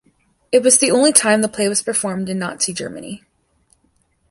It was the only time the play was performed in Nazi Germany.